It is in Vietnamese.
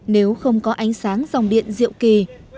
nếu không có ánh sáng dòng điện diệu kỳ